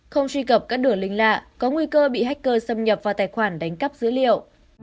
không truy cập các đường linh lạ có nguy cơ bị hacker xâm nhập vào tài khoản đánh cắp dữ liệu